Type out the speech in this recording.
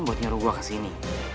buat nyuruh gue kesini